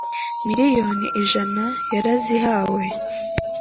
miliyoni ijana yarazihawe